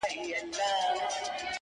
بگوت گيتا د هندوانو مذهبي کتاب’